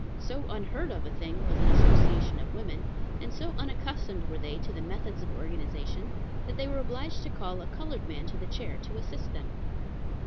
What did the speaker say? So unheard of a thing was an association of women, and so unaccustomed were they to the methods of organization, that they were obliged to call a colored man to the chair to assist them.